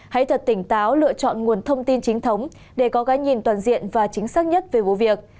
hãy thật tỉnh táo lựa chọn nguồn thông tin chính thống để có cái nhìn toàn diện và chính xác nhất về vụ việc